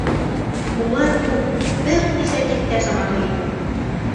Улар күп, бер нисә тиҫтә самаһы ине.